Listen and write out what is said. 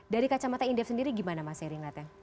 dari kacamata indef sendiri gimana mas eri nata